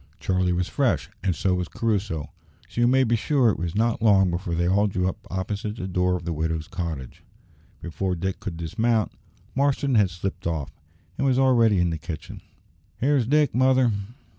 Charlie was fresh, and so was Crusoe, so you may be sure it was not long before they all drew up opposite the door of the widow's cottage. Before Dick could dismount, Marston had slipped off, and was already in the kitchen. "Here's Dick, mother!"